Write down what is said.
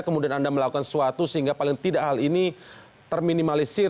kemudian anda melakukan sesuatu sehingga paling tidak hal ini terminimalisir